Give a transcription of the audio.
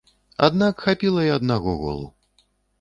Аднак хапіла і аднаго голу.